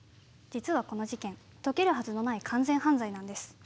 実はこの事件、解けるはずのない完全犯罪なんです。